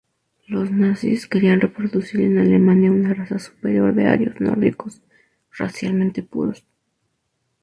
Los nazis querían reproducir en Alemania una raza superior de arios nórdicos racialmente puros.